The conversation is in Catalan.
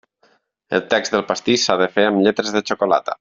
El text del pastís s'ha de fer amb lletres de xocolata.